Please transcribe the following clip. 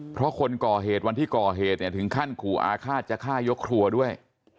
เพราะคนก่อเหตุวันที่ก่อเหตุเนี่ยถึงขั้นขู่อาฆาตจะฆ่ายกครัวด้วย